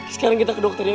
sekarang kita ke dokter ya